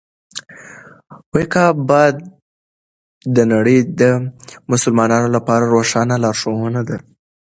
کعبه د نړۍ د مسلمانانو لپاره روښانه لارښوونه ده.